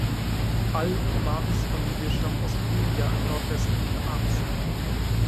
Al-Urmawis Familie stammte aus Urmia im Nordwesten Irans.